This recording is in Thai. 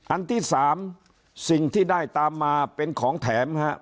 อันที่๓สิ่งที่ได้ตามมาเป็นของแถมครับ